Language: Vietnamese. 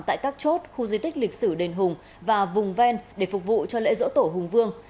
tại các chốt khu di tích lịch sử đền hùng và vùng ven để phục vụ cho lễ dỗ tổ hùng vương